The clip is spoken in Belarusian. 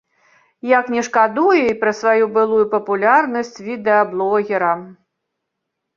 Як не шкадуе і пра сваю былую папулярнасць відэаблогера.